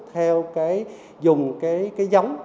theo cái dùng cái giống